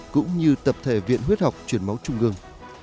cũng như tập thể viện huyết học truyền máu trung ương